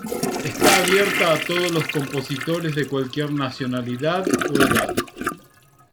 Está abierta a todos los compositores de cualquier nacionalidad o edad.